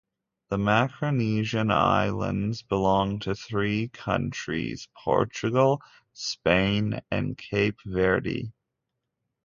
The Macaronesian islands belong to three countries: Portugal, Spain, and Cape Verde.